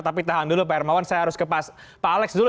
tapi tahan dulu pak hermawan saya harus ke pak alex dulu